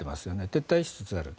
撤退しつつある。